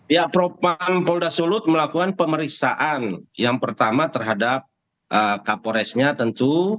ya propam polda sulut melakukan pemeriksaan yang pertama terhadap kapolresnya tentu